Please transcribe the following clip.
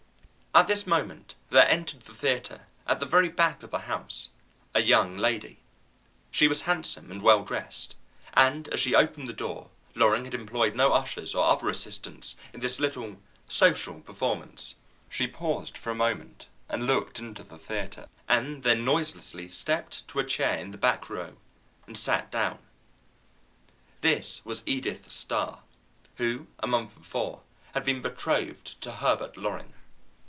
At this moment there entered the theatre, at the very back of the house, a young lady. She was handsome and well dressed, and as she opened the door Loring had employed no ushers or other assistants in this little social performance she paused for a moment and looked into the theatre, and then noiselessly stepped to a chair in the back row and sat down. This was Edith Starr, who, a month before, had been betrothed to Herbert Loring.